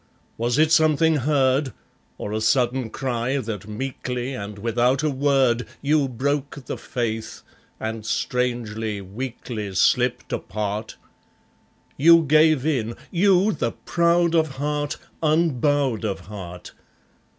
Was it something heard, Or a sudden cry, that meekly and without a word You broke the faith, and strangely, weakly, slipped apart. You gave in you, the proud of heart, unbowed of heart!